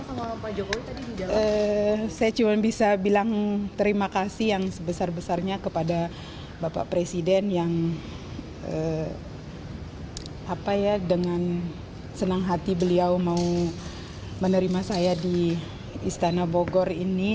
saya cuma bisa bilang terima kasih yang sebesar besarnya kepada bapak presiden yang dengan senang hati beliau mau menerima saya di istana bogor ini